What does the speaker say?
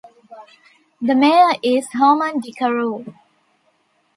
The mayor is Herman De Croo.